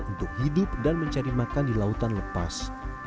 untuk hidup dan mencari makan di lautan lepas